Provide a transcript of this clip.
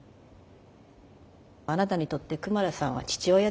あなたにとってクマラさんは父親ですか？